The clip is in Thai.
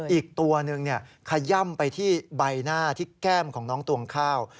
อีกตัวหนึ่งขย่ำไปที่ใบหน้าที่แก้มของน้องตวงข้าว